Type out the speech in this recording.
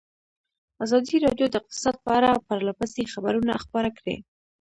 ازادي راډیو د اقتصاد په اړه پرله پسې خبرونه خپاره کړي.